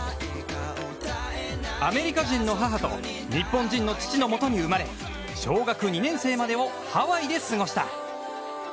アメリカ人の母と日本人の父のもとに生まれ小学２年生までをハワイで過ごした。